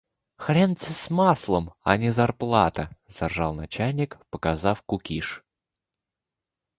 «Хрен те с маслом, а не зарплата!» — заржал начальник, показав кукиш.